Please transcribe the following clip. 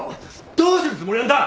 どうするつもりなんだ！